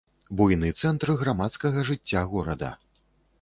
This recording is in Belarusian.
Буйны цэнтр грамадскага жыцця горада.